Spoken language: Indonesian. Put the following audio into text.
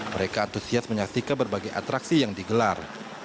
mereka antusias menyaksikan berbagai atraksi yang digelar